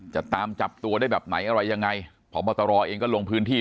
จะตามจับตัวได้แบบไหนอะไรยังไงพบตรเองก็ลงพื้นที่